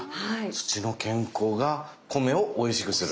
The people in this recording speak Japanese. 土の健康が米をおいしくする。